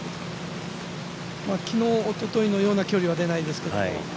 昨日、おとといのような距離は出ないんですけど。